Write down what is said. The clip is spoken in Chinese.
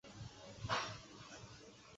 入境大楼